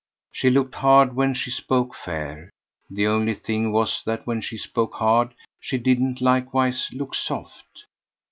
She looked hard when she spoke fair; the only thing was that when she spoke hard she didn't likewise look soft.